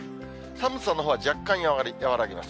寒さのほうは若干和らぎます。